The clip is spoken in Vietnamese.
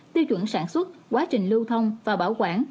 tiêu chuẩn sản xuất quá trình lưu thông và bảo quản